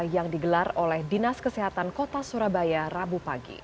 yang digelar oleh dinas kesehatan kota surabaya rabu pagi